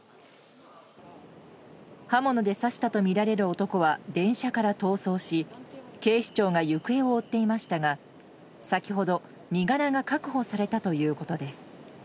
刃物で刺したとみられる男は電車から逃走し警視庁が行方を追っていましたが先程、身柄が確保されたということです。